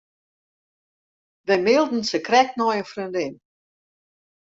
Wy mailden sakrekt nei in freondin.